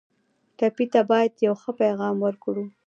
ټپي ته باید یو ښه پیغام ورکړو.